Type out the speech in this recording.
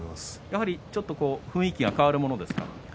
やはり、ちょっと雰囲気が変わるものですか？